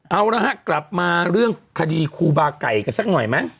เอาละฮะกลับมาเรื่องคดีครูบาไก่กันสักหน่อยไหม